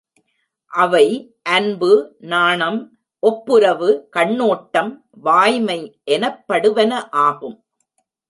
அவை அன்பு, நாணம், ஒப்புரவு, கண்ணோட்டம், வாய்மை எனப்படுவன ஆகும்.